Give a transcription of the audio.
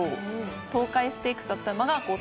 東海ステークスだった馬が５頭。